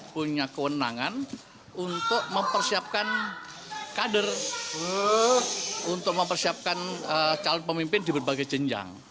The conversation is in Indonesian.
punya kewenangan untuk mempersiapkan kader untuk mempersiapkan calon pemimpin di berbagai jenjang